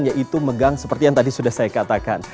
yaitu megang seperti yang tadi sudah saya katakan